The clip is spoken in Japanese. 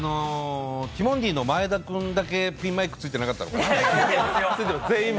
ティモンディの前田君だけピンマイクついてなかったのかな？